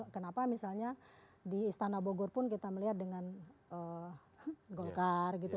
kenapa misalnya di istana bogor pun kita melihat dengan golkar gitu